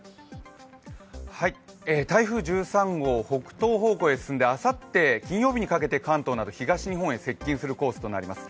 台風１３号、北東方向を進んであさって金曜日にかけて関東など、東日本へ接近するコースとなります